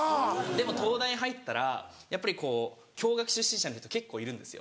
でも東大に入ったらやっぱりこう共学出身者の人結構いるんですよ。